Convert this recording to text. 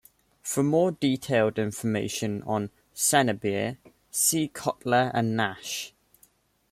For more detailed information on Senebier, see Kottler and Nash.